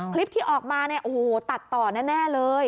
คลิปที่ออกมาตัดต่อแน่เลย